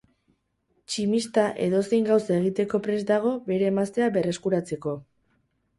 Tximista edozein gauza egiteko prest dago bere emaztea berreskuratzeko.